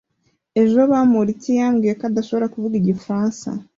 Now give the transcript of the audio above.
Ejo, Bamoriki yambwiye ko adashobora kuvuga igifaransa.